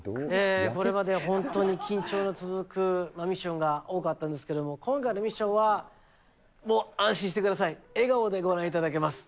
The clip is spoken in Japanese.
これまで本当に緊張の続くミッションが多かったんですけれども、今回のミッションは、もう安心してください、笑顔でご覧いただけます。